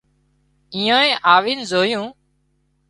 ايئانئي آوين زويون